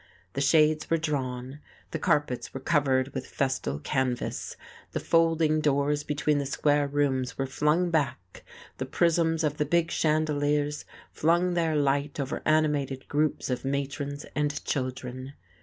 The shades were drawn, the carpets were covered with festal canvas, the folding doors between the square rooms were flung back, the prisms of the big chandeliers flung their light over animated groups of matrons and children.